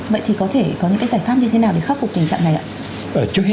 vậy thì có thể có những giải pháp như thế nào để khắc phục tình trạng này ạ